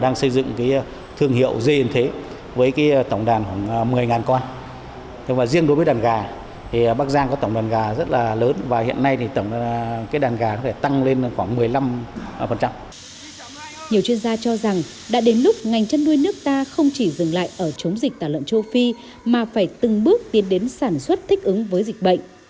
ngành chăn nuôi nước ta không chỉ dừng lại ở chống dịch tà lợn châu phi mà phải từng bước tiến đến sản xuất thích ứng với dịch bệnh